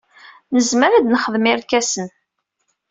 Nezmer ad nexdem irkasen.